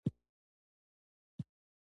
دغو موادو ته کمپوزېټونه هم ویل کېږي.